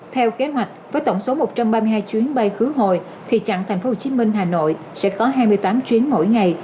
theo kế hoạch với tổng số một trăm ba mươi hai chuyến bay khứ hồi thì chặng tp hcm hà nội sẽ có hai mươi tám chuyến mỗi ngày